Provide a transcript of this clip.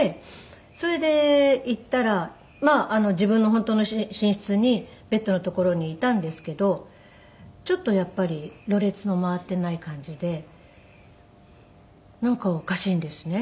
それで行ったら自分の本当の寝室にベッドの所にいたんですけどちょっとやっぱりろれつも回っていない感じでなんかおかしいんですね。